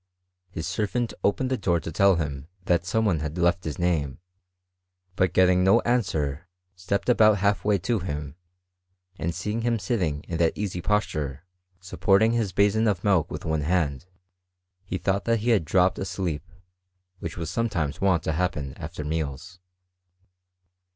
His servant opened the door to tell him that some one had left his name ; but getting no an * swer, stepped about halfvmy to him ; and seeing him sitting in that easy posture, supporting his basin of milk with one hand, he thought that he had dropped asleep, which was sometimes wont to happen after meals.